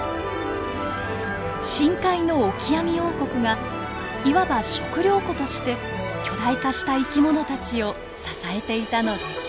深海のオキアミ王国がいわば食料庫として巨大化した生き物たちを支えていたのです。